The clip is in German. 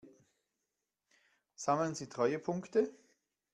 Sammeln Sie Treuepunkte?